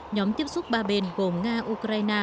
nhóm tiếp xúc ba bên gồm nga ukraine